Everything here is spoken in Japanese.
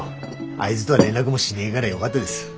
あいづとは連絡もしねえがらよがったです。